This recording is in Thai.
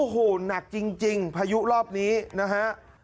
โอ้โหหนักจริงพายุรอบนี้นะฮะ